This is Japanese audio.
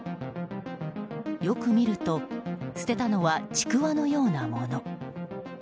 よく見ると捨てたのはちくわのようなもの。